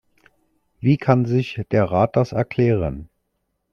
Wie kann sich der Rat das erklären?